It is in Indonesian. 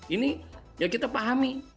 ini yang kita pahami